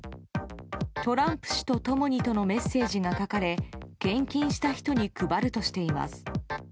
「トランプ氏と共に」とのメッセージが書かれ献金した人に配るとしています。